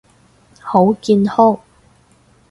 好健康！